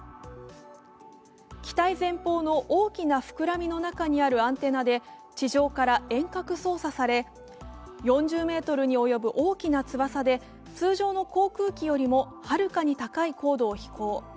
機体前方の大きな膨らみの中にあるアンテナで地上から遠隔操作され、４０ｍに及ぶ大きな翼で通常の航空機よりもはるかに高い高度を飛行。